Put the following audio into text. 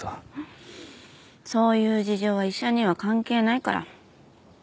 そういう事情は医者には関係ないから。